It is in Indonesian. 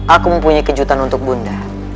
aku mempunyai kejutan untuk bunda